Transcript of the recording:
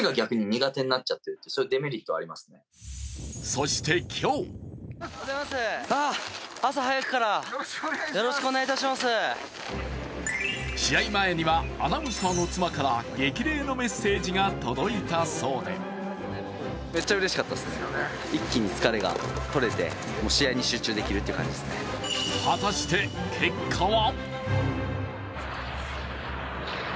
そして今日試合前にはアナウンサーの妻から激励のメッセージが届いたそうで果たして結果は？